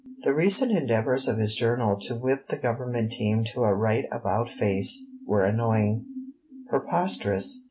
The recent endeavours of his journal to whip the Government team to a right about face were annoying, preposterous.